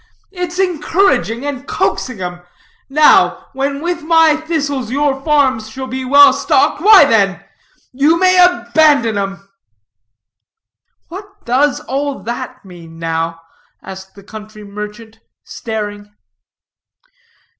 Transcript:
It's encouraging and coaxing 'em. Now, when with my thistles your farms shall be well stocked, why then you may abandon 'em!" "What does all that mean, now?" asked the country merchant, staring.